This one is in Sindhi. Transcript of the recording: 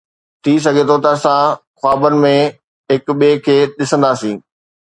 ٿي سگهي ٿو ته اسان خوابن ۾ هڪ ٻئي کي ڏسندا سين